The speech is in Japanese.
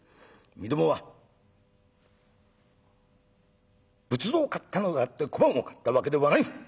みどもは仏像を買ったのであって小判を買ったわけではない。